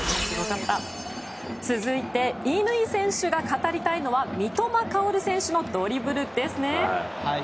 続いて乾選手が語りたいのは三笘薫選手のドリブルですね。